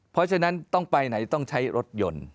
เพราะฉะนั้นต้องไปไหนต้องใช้รถยนต์